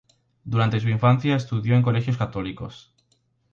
Durante su infancia estudió en colegios católicos.